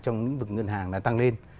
trong những vực ngân hàng đã tăng lên